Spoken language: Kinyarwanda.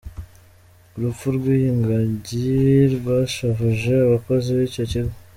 Urupfu rw’iyi ngagi rwashavuje abakozi b’icyo kigo.